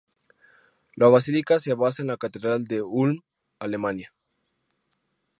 La basílica se basa en la catedral de Ulm, Alemania.